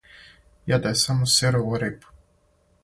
Једе само сирову рибу!